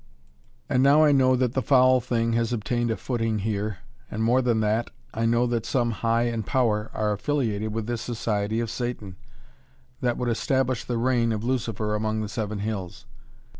And now I know that the foul thing has obtained a footing here, and more than that, I know that some high in power are affiliated with this society of Satan, that would establish the reign of Lucifer among the Seven Hills.